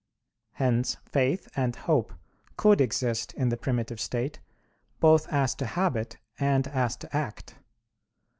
Hence faith and hope could exist in the primitive state, both as to habit and as to act.